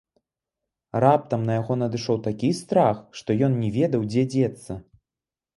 Раптам на яго надышоў такі страх, што ён не ведаў, дзе дзецца.